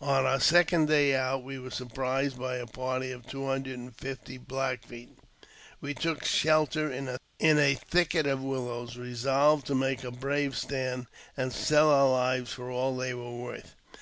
On our second day out, w^l were surprised by a party of two hundred and fifty Black < Feet. We took shelter in a thicket of willows, resolved to make a brave stand, and sell our lives for all they were worth.